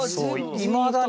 いまだにね